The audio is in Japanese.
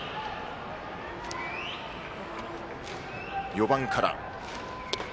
４番から。